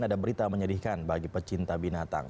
ada berita menyedihkan bagi pecinta binatang